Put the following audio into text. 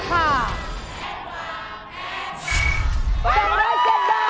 เศรษฐ์๗บาท